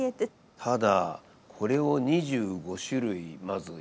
ただこれを２５種類まずやる。